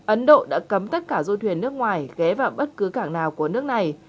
ấn độ đã cấm tất cả du thuyền nước ngoài ghé vào bất cứ cảng nào của nước này